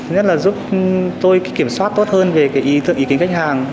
nhất là giúp tôi kiểm soát tốt hơn về ý kiến khách hàng